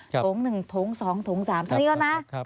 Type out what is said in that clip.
ถง๑ถง๒ถง๓ถงนี้แล้วนะ